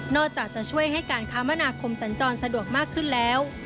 จะช่วยให้การคมนาคมสัญจรสะดวกมากขึ้นแล้ว